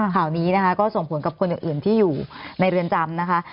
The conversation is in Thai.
ข่าวนี้นะคะก็ส่งผลกับคนอื่นที่อยู่ในเรือนจำนะคะ